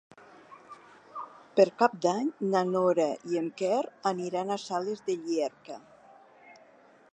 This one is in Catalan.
Per Cap d'Any na Nora i en Quer aniran a Sales de Llierca.